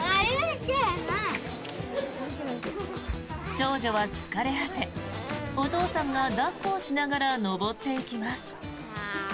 長女は疲れ果てお父さんが抱っこをしながら登っていきます。